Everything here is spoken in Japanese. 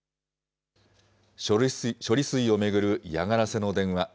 処理水を巡る嫌がらせの電話。